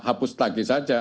hapus tagih saja